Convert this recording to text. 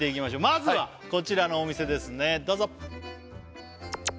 まずはこちらのお店ですねどうぞ！